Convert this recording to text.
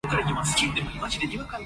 啊亂個鬼，賤個鬼，死俾你睇